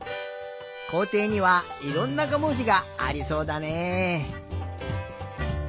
こうていにはいろんな５もじがありそうだね。